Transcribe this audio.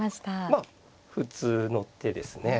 まあ普通の手ですね。